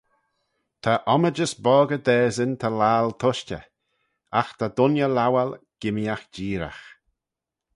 Ta ommijys boggey dasyn ta laccal tushtey: agh ta dooinney lowal gimmeeaght jeeragh.